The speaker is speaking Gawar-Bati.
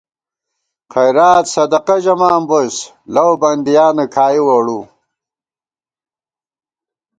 خیرات صدقہ ژَمان بوس، لَؤ بندِیانہ کھائی ووڑُوؤ